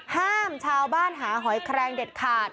ห้ามชาวบ้านหาหอยแครงเด็ดขาด